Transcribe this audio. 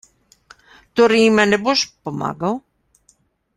Torej jima ne boš pomagal?